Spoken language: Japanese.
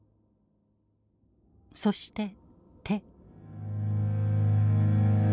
そして手。